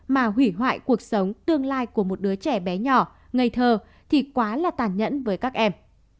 mà hủy hoại cuộc sống tương lai của một đứa trẻ bé nhỏ ngây thơ thì quá là tàn nhẫn với các em